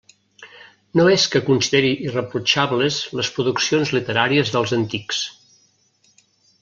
No és que consideri irreprotxables les produccions literàries dels antics.